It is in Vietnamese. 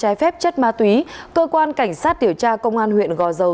trái phép chất ma túy cơ quan cảnh sát điều tra công an huyện gò dầu